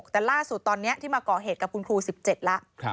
แต่ล่าสุดตอนนี้ที่มาก่อเหตุกับคุณครู๑๗แล้ว